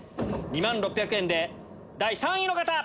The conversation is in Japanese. ２万６００円で第３位の方！